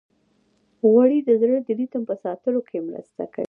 غوړې د زړه د ریتم په ساتلو کې مرسته کوي.